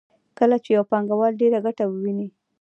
کله چې یو پانګوال ډېره ګټه وویني